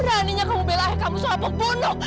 beraninya kamu belai kamu sebagai pembunuh